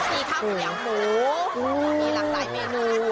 มีข้าวกลางหมูมีหลักต่ายเมนู